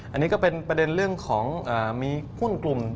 อันนี้ก็เป็นประเด็นเรื่องของมีหุ้นกลุ่ม